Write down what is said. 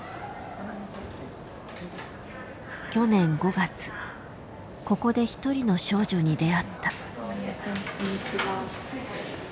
去年５月ここで一人の少女に出会った。